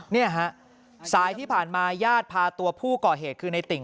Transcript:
เนี่ยฮะสายที่ผ่านมาญาติพาตัวผู้ก่อเหตุคือในติ่ง